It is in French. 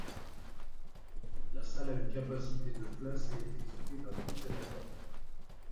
La salle a une capacité de places et est équipée d'un puits canadien.